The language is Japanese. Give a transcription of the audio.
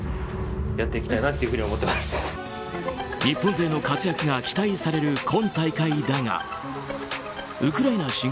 日本勢の活躍が期待される